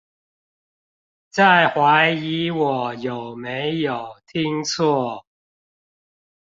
在懷疑我有沒有聽錯